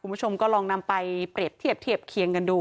คุณผู้ชมก็ลองนำไปเปรียบเทียบเทียบเคียงกันดู